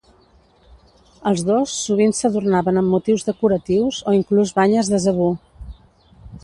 Els dos sovint s'adornaven amb motius decoratius o inclús banyes de zebú.